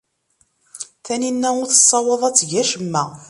Taninna ur tessawaḍ ad teg acemma.